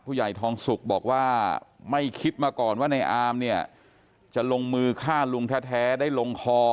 ผู้ใหญ่ทองสุกบอกว่าไม่คิดมาก่อนว่าในอามเนี่ยจะลงมือฆ่าลุงแท้ได้ลงคอ